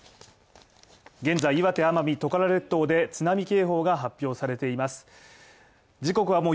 現在はトカラ列島で津波警報が発表されています。